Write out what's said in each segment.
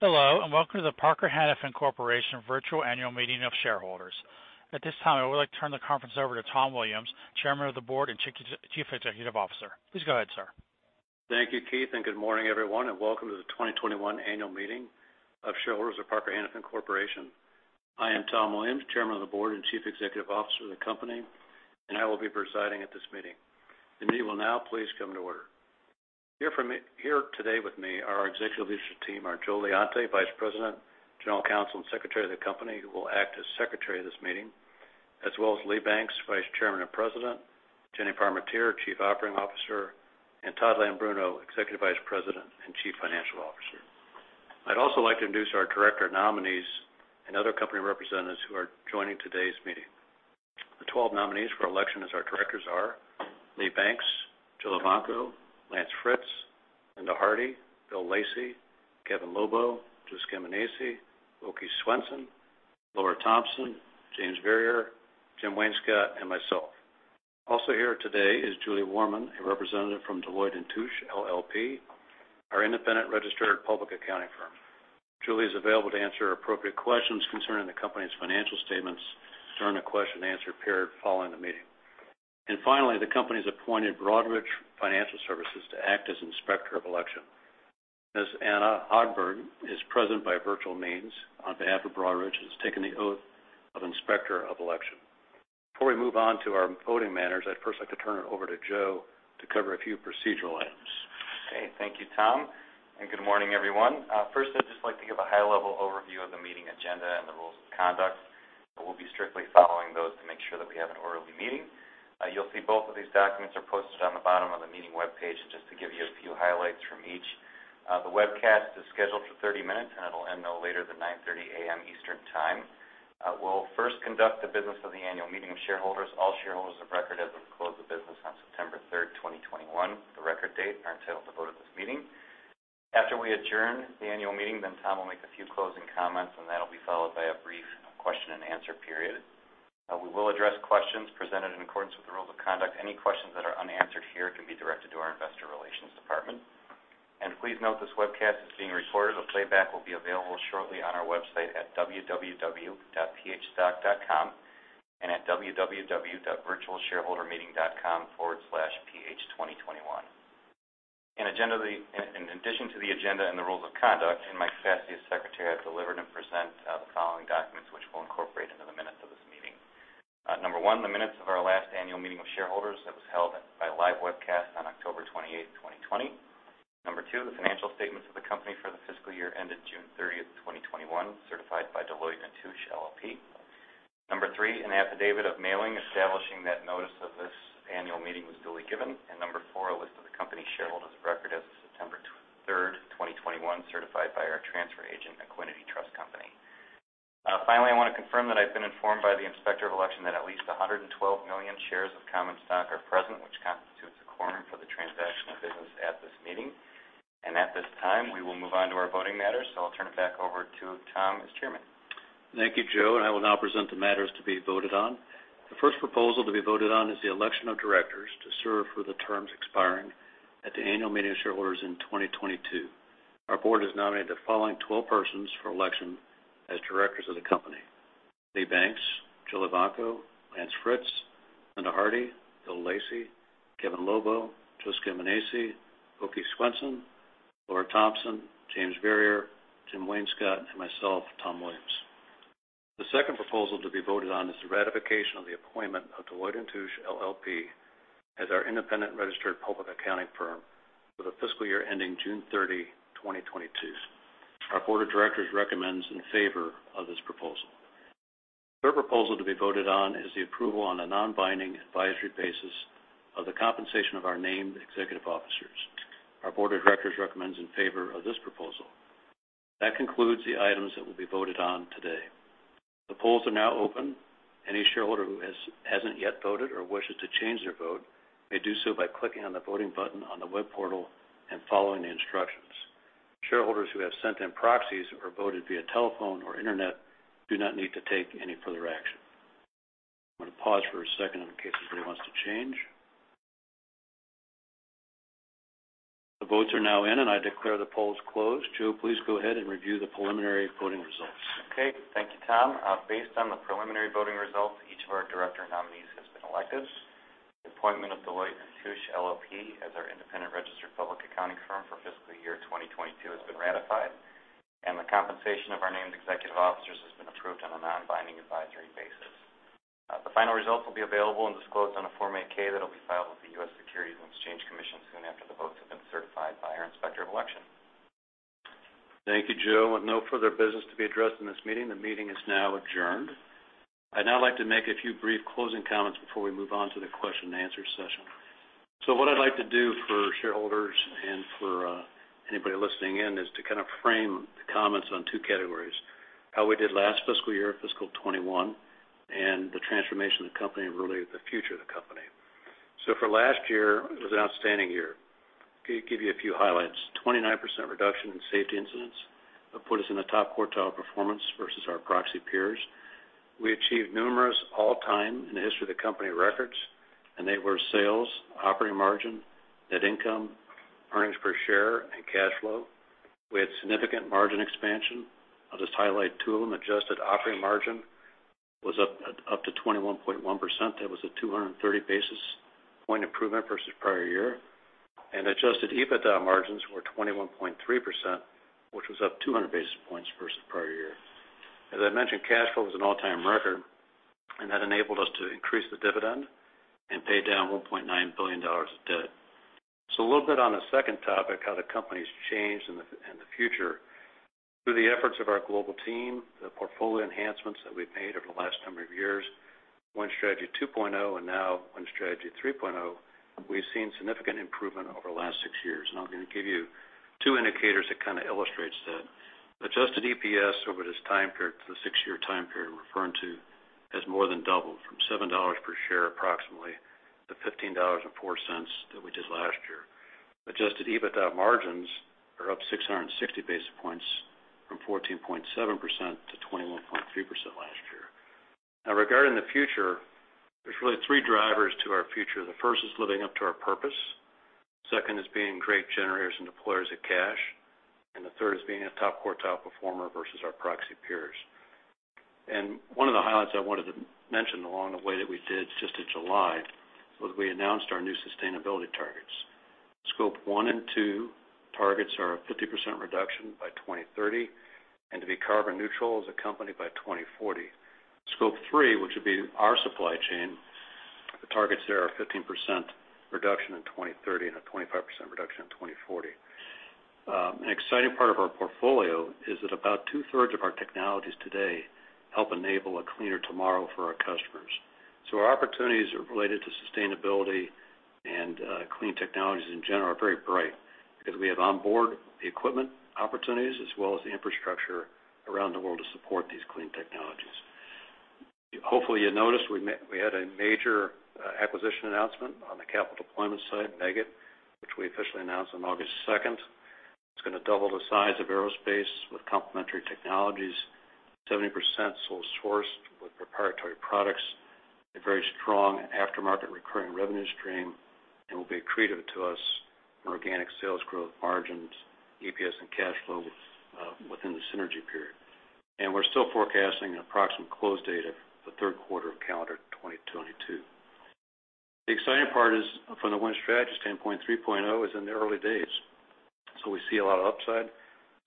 Hello, and welcome to the Parker-Hannifin Corporation Virtual Annual Meeting of Shareholders. At this time, I would like to turn the conference over to Tom Williams, Chairman of the Board and Chief Executive Officer. Please go ahead, sir. Thank you, Keith, and good morning, everyone, and welcome to the 2021 Annual Meeting of Shareholders of Parker-Hannifin Corporation. I am Tom Williams, Chairman of the Board and Chief Executive Officer of the company, and I will be presiding at this meeting. The meeting will now please come to order. Here today with me are our executive leadership team, Joe Leonti, Vice President, General Counsel, and Secretary of the company, who will act as Secretary of this meeting, as well as Lee Banks, Vice Chairman and President, Jenny Parmentier, Chief Operating Officer, and Todd Leombruno, Executive Vice President and Chief Financial Officer. I'd also like to introduce our director nominees and other company representatives who are joining today's meeting. The twelve nominees for election as our directors are Lee Banks, Jill Evanko, Lance Fritz, Linda Harty, Bill Lacey, Kevin Lobo, Joseph Scaminace, Åke Svensson, Laura Thompson, James Verrier, Jim Wainscott, and myself. Also here today is Julie Warman, a representative from Deloitte & Touche LLP, our independent registered public accounting firm. Julie is available to answer appropriate questions concerning the company's financial statements during the question and answer period following the meeting. Finally, the company has appointed Broadridge Financial Solutions to act as Inspector of Election. Ms. Anna Ogburn is present by virtual means on behalf of Broadridge, has taken the oath of Inspector of Election. Before we move on to our voting matters, I'd first like to turn it over to Joe to cover a few procedural items. Okay, thank you, Tom, and good morning, everyone. First, I'd just like to give a high-level overview of the meeting agenda and the rules of conduct, and we'll be strictly following those to make sure that we have an orderly meeting. You'll see both of these documents are posted on the bottom of the meeting webpage. Just to give you a few highlights from each. The webcast is scheduled for 30 minutes, and it'll end no later than 9:30 A.M. Eastern Time. We'll first conduct the business of the annual meeting of shareholders. All shareholders of record as of close of business on September 3, 2021, the record date, are entitled to vote at this meeting. After we adjourn the annual meeting, Tom will make a few closing comments, and that'll be followed by a brief question and answer period. We will address questions presented in accordance with the rules of conduct. Any questions that are unanswered here can be directed to our investor relations department. Please note this webcast is being recorded. A playback will be available shortly on our website at www.phstock.com and at www.virtualshareholdermeeting.com/ph2021. In addition to the agenda and the rules of conduct, in my capacity as Secretary, I've delivered and present the following documents which we'll incorporate into the minutes of this meeting. Number one, the minutes of our last annual meeting of shareholders that was held by live webcast on October 28, 2020. Number two, the financial statements of the company for the fiscal year ended June 30, 2021, certified by Deloitte & Touche LLP. Number three, an affidavit of mailing establishing that notice of this annual meeting was duly given. Number four, a list of the company shareholders of record as of September 23rd, 2021, certified by our transfer agent, Equiniti Trust Company. Finally, I wanna confirm that I've been informed by the Inspector of Election that at least 112 million shares of common stock are present, which constitutes a quorum for the transaction of business at this meeting. At this time, we will move on to our voting matters, so I'll turn it back over to Tom as Chairman. Thank you, Joe, and I will now present the matters to be voted on. The first proposal to be voted on is the election of directors to serve for the terms expiring at the annual meeting of shareholders in 2022. Our board has nominated the following 12 persons for election as directors of the company: Lee Banks, Jill Evanko, Lance Fritz, Linda Harty, Bill Lacey, Kevin Lobo, Joseph Scaminace, Åke Svensson, Laura Thompson, James Verrier, Jim Wainscott, and myself, Tom Williams. The second proposal to be voted on is the ratification of the appointment of Deloitte & Touche LLP as our independent registered public accounting firm for the fiscal year ending June 30, 2022. Our board of directors recommends in favor of this proposal. The third proposal to be voted on is the approval on a non-binding advisory basis of the compensation of our named executive officers. Our board of directors recommends in favor of this proposal. That concludes the items that will be voted on today. The polls are now open. Any shareholder who hasn't yet voted or wishes to change their vote may do so by clicking on the voting button on the web portal and following the instructions. Shareholders who have sent in proxies or voted via telephone or internet do not need to take any further action. I'm gonna pause for a second in case anybody wants to change. The votes are now in, and I declare the polls closed. Joe, please go ahead and review the preliminary voting results. Okay. Thank you, Tom. Based on the preliminary voting results, each of our director nominees has been elected. The appointment of Deloitte & Touche LLP as our independent registered public accounting firm for fiscal year 2022 has been ratified, and the compensation of our named executive officers has been approved on a non-binding advisory basis. The final results will be available and disclosed on a Form 8-K that'll be filed with the U.S. Securities and Exchange Commission soon after the votes have been certified by our Inspector of Election. Thank you, Joe. With no further business to be addressed in this meeting, the meeting is now adjourned. I'd now like to make a few brief closing comments before we move on to the question and answer session. What I'd like to do for shareholders and for anybody listening in is to kind of frame the comments on two categories: how we did last fiscal year, fiscal 2021, and the transformation of the company and really the future of the company. For last year, it was an outstanding year. Give you a few highlights. 29% reduction in safety incidents have put us in the top quartile performance versus our proxy peers. We achieved numerous all-time in the history of the company records, and they were sales, operating margin, net income, earnings per share, and cash flow. We had significant margin expansion. I'll just highlight two of them. Adjusted operating margin was up to 21.1%. That was a 230 basis point improvement versus prior year. Adjusted EBITDA margins were 21.3%, which was up 200 basis points versus prior year. As I mentioned, cash flow was an all-time record, and that enabled us to increase the dividend and pay down $1.9 billion of debt. A little bit on the second topic, how the company's changed in the future. Through the efforts of our global team, the portfolio enhancements that we've made over the last number of years, Win Strategy 2.0 and now Win Strategy 3.0, we've seen significant improvement over the last six years. I'm gonna give you two indicators that kinda illustrates that. Adjusted EPS over this time period, the six-year time period we're referring to, has more than doubled from $7 per share approximately to $15.04 that we did last year. Adjusted EBITDA margins are up 660 basis points, from 14.7% to 21.3% last year. Now regarding the future, there's really three drivers to our future. The first is living up to our purpose. Second is being great generators and deployers of cash. The third is being a top quartile performer versus our proxy peers. One of the highlights I wanted to mention along the way that we did just in July was we announced our new sustainability targets. Scope one and two targets are a 50% reduction by 2030, and to be carbon neutral as a company by 2040. Scope three, which would be our supply chain, the targets there are a 15% reduction in 2030 and a 25% reduction in 2040. An exciting part of our portfolio is that about two-thirds of our technologies today help enable a cleaner tomorrow for our customers. Our opportunities related to sustainability and clean technologies in general are very bright because we have onboard the equipment opportunities as well as the infrastructure around the world to support these clean technologies. Hopefully you noticed we had a major acquisition announcement on the capital deployment side, Meggitt, which we officially announced on August 2. It's gonna double the size of aerospace with complementary technologies, 70% sole sourced with proprietary products, a very strong aftermarket recurring revenue stream, and will be accretive to us in organic sales growth margins, EPS, and cash flow within the synergy period. We're still forecasting an approximate close date of the third quarter of calendar 2022. The exciting part is from the Win Strategy standpoint, 3.0 is in the early days, so we see a lot of upside.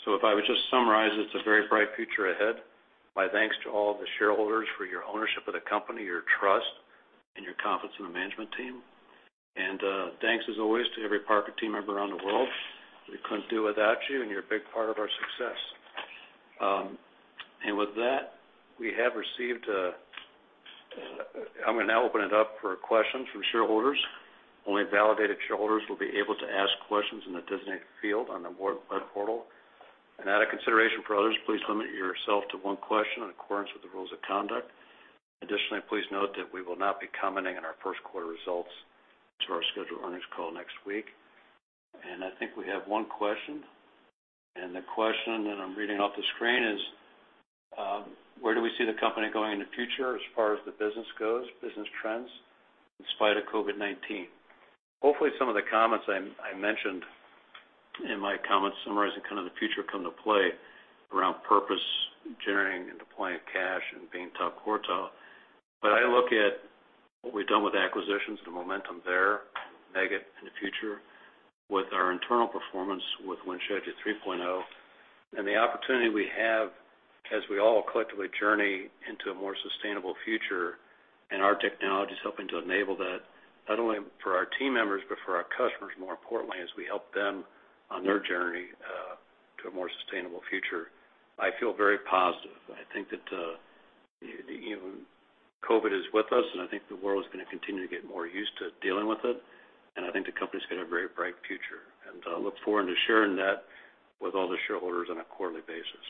If I would just summarize, it's a very bright future ahead. My thanks to all the shareholders for your ownership of the company, your trust, and your confidence in the management team. Thanks as always to every Parker team member around the world. We couldn't do it without you, and you're a big part of our success. With that, we have received, I'm gonna now open it up for questions from shareholders. Only validated shareholders will be able to ask questions in the designated field on the board web portal. Out of consideration for others, please limit yourself to one question in accordance with the rules of conduct. Additionally, please note that we will not be commenting on our first quarter results until our scheduled earnings call next week. I think we have one question. The question, I'm reading off the screen, is "Where do we see the company going in the future as far as the business goes, business trends, in spite of COVID-19?" Hopefully, some of the comments I mentioned in my comments summarizing kind of the future come to play around purpose, generating and deploying cash, and being top quartile. I look at what we've done with acquisitions, the momentum there, Meggitt in the future, with our internal performance with Win Strategy 3.0, and the opportunity we have as we all collectively journey into a more sustainable future, and our technology is helping to enable that, not only for our team members, but for our customers more importantly, as we help them on their journey to a more sustainable future. I feel very positive. I think that, you know, COVID is with us, and I think the world is gonna continue to get more used to dealing with it, and I think the company's got a very bright future. I look forward to sharing that with all the shareholders on a quarterly basis.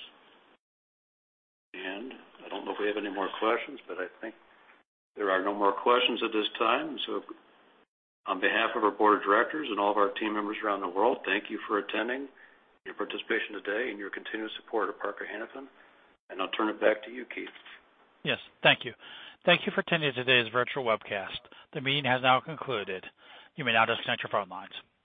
I don't know if we have any more questions, but I think there are no more questions at this time. On behalf of our board of directors and all of our team members around the world, thank you for attending, your participation today, and your continuous support of Parker-Hannifin. I'll turn it back to you, Keith. Yes. Thank you. Thank you for attending today's virtual webcast. The meeting has now concluded. You may now disconnect your phone lines.